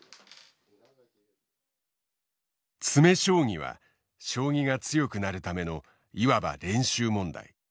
詰将棋は将棋が強くなるためのいわば練習問題。